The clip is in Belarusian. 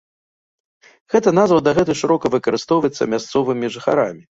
Гэта назва дагэтуль шырока выкарыстоўваецца мясцовымі жыхарамі.